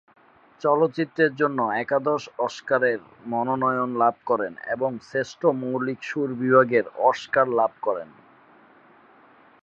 চলচ্চিত্রের জন্য তার একাদশ অস্কারের মনোনয়ন লাভ করেন এবং শ্রেষ্ঠ মৌলিক সুর বিভাগে অস্কার লাভ করেন।